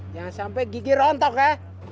jangan sampai gigi rontok ya